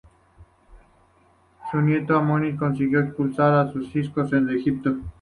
Su nieto Amosis consiguió expulsar a los hicsos de Egipto.